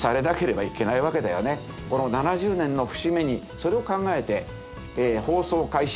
この７０年の節目にそれを考えて放送開始